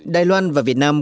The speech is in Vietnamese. đài loan và việt nam